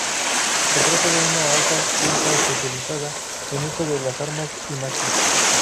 Se trata de una alta elfa especializada en uso de las armas y magia.